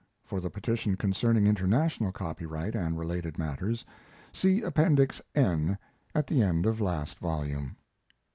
For the petition concerning international copyright and related matters, see Appendix N, at the end of last volume.